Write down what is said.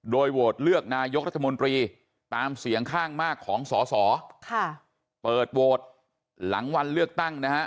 โดยโหวตเลือกนายกรัฐมนตรีตามเสียงข้างมากของสอสอค่ะเปิดโหวตหลังวันเลือกตั้งนะฮะ